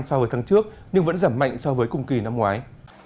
so với tháng trước nhưng vẫn giảm mạnh so với cùng kỳ năm ngoái